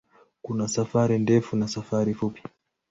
Kuna safari ndefu na safari fupi.